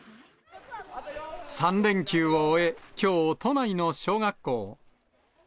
３連休を終え、きょう、都内の小学校。